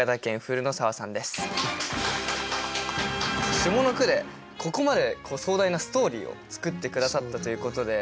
下の句でここまで壮大なストーリーを作って下さったということで。